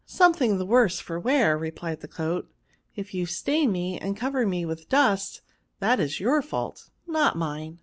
" Something the worse for wear," replied the coat ;" if you stain me and cover me with dust, that is your fault, not mine.